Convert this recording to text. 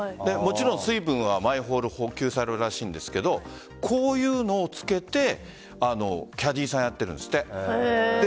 水分は毎ホール補給されるらしいんですがそういうのを着けてキャディーさんをやっているんですって。